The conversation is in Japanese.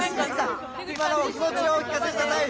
今のお気持ちをお聞かせください。